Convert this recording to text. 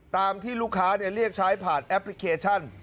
ตามที่ลูกค้าเรียกใช้ผ่านแอปพลิเคชัน